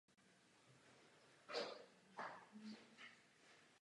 Nachází se na severu Jaroměře.